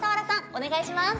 お願いします。